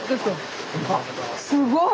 すごい。